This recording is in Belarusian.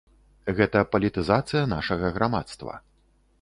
Гэта палітызацыя нашага грамадства.